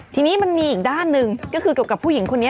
ทีนี้มันมีอีกด้านหนึ่งก็คือเกี่ยวกับผู้หญิงคนนี้